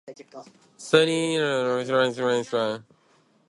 多人数だけは許すわけにはいかん！